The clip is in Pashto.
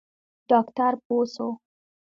ډاکتر پوه سو.